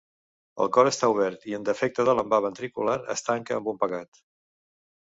El cor està obert i el defecte de l'envà ventricular es tanca amb un pegat.